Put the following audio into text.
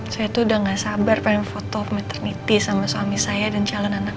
saya tuh udah gak sabar pengen foto paternity sama suami saya dan calon anak